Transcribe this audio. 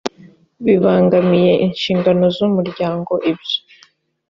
bibangamiye inshingano z umuryango ibyo